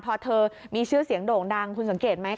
พอเธอมีชื่อเสียงโด่งดังคุณสังเกตไหม